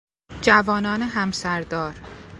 جوانان همسردار